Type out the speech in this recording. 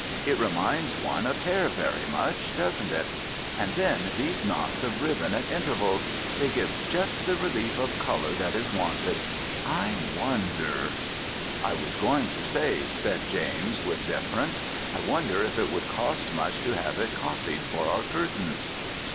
It reminds one of hair, very much, doesn't it. And then these knots of ribbon at intervals. They give just the relief of colour that is wanted. I wonder " "I was going to say," said James with deference, "I wonder if it would cost much to have it copied for our curtains."